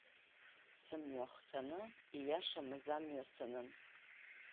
Сымҩахҟьаны, ииашамыз амҩа санын…